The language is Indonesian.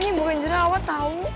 ini bukan jerawat tau